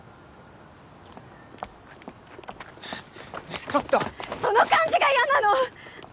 えっちょっとその感じがやなの！